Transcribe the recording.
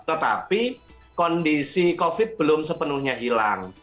tetapi kondisi covid belum sepenuhnya hilang